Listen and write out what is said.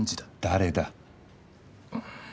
誰だ？